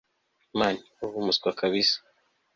mn uri umuswa kabsa